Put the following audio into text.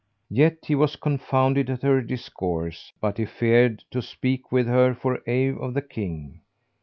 [FN#429] Yet he was confounded at her discourse, but he feared to speak with her for awe of the King.